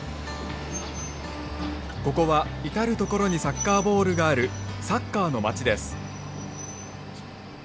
ここは至る所にサッカーボールがあるサッカーの町です。